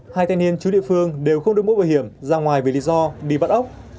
hai thanh niên chú địa phương đều không được mũ bảo hiểm ra ngoài vì lý do đi bắt ốc